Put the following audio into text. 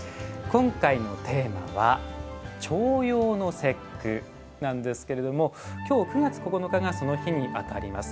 今回のテーマは「重陽の節句」なんですけれども今日、９月９日がその日に当たります。